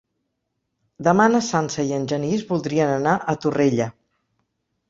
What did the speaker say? Demà na Sança i en Genís voldrien anar a Torrella.